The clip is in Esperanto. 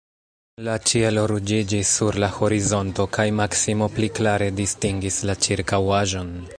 La ĉielo ruĝiĝis sur la horizonto, kaj Maksimo pli klare distingis la ĉirkaŭaĵon.